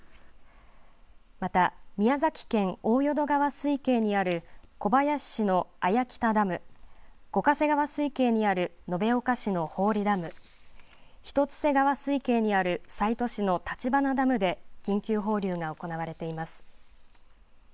また宮崎県大淀川水系にある小林市の綾北ダム、五ヶ瀬川水系にある延岡市の祝子ダム、一ツ瀬川水系にある西都市の立花ダムで緊急放流が行われています。